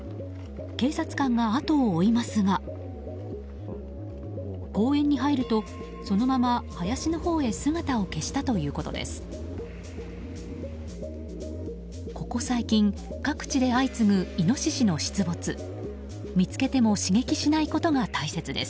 警察があとを追いますが公園に入るとそのまま林のほうへ姿を消したということです。